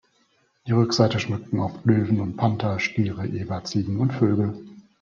Die Rückseite schmückten oft Löwen und Panther, Stiere, Eber, Ziegen und Vögel.